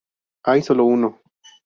Hay solo uno".